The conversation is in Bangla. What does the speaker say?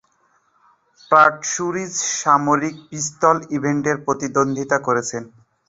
প্যাটসুরিস সামরিক পিস্তল ইভেন্টে প্রতিদ্বন্দ্বিতা করেন।